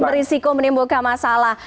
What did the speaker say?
berisiko menimbulkan masalah